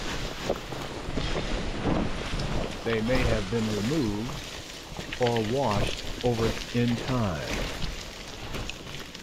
They may have been removed, or washed over in time.